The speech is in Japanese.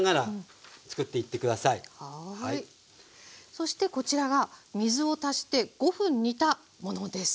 そしてこちらが水を足して５分煮たものです。